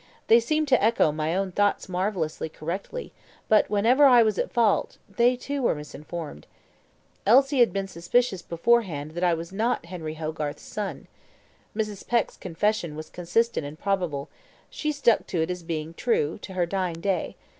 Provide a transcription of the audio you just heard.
They seemed to echo my own thoughts marvellously correctly, but whenever I was at fault, they, too, were misinformed. Elsie had been suspicious beforehand that I was not Henry Hogarth's son. Mrs. Peck's confession was consistent and probable; she stuck to it as being true, to her dying day.